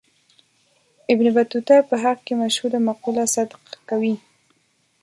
ابن بطوطه په حق کې مشهوره مقوله صدق کوي.